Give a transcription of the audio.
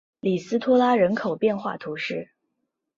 里斯托拉人口变化图示